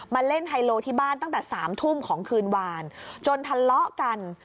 มาเล่นไฮโลที่บ้านตั้งแต่๓ทุ่มของคืนวานจนทะเลาะกัน